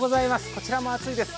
こちらも暑いです。